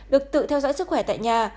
được tự theo dõi sức khỏe tại nhà